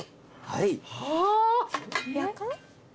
はい。